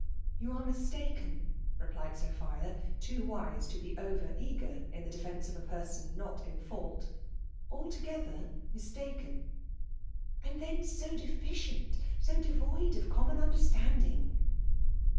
.*' You are. mistaken/' replied Sophia; (oo wise to be over eager in the defence of a peji^son not in fault —" altogether mistaken.*^ '* And then so deficient ; so devoid of CQi^ mon understanding